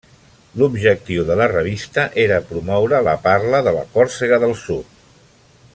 L'objectiu de la revista era promoure la parla de la Còrsega del Sud.